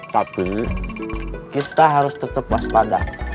tapi kita harus tetap waspada